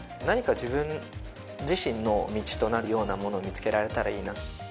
何か自分自身の道となるようなものを見つけられたらいいな。